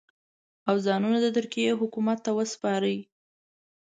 او ځانونه د ترکیې حکومت ته وسپاري.